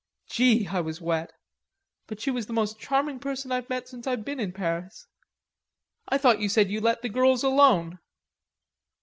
"Gee! I was wet.... But she was the most charming person I've met since I've been in Paris." "I thought you said you let the girls alone."